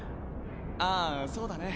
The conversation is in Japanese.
ああそうだね。